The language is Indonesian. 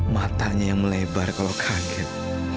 matanya melebar kalau kaget